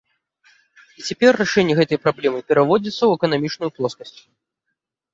І цяпер рашэнне гэтай праблемы пераводзіцца ў эканамічную плоскасць.